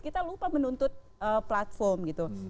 kita lupa menuntut platform gitu